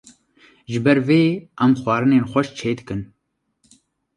Ji ber vê em xwarinên xweş çê dikin